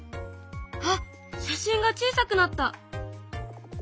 あっ写真が小さくなった。